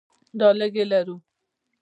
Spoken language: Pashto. دا لږې لرو.